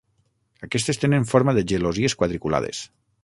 Aquestes tenen forma de gelosies quadriculades.